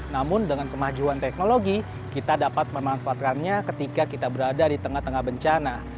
namun dengan kemajuan teknologi kita dapat memanfaatkannya ketika kita berada di tengah tengah bencana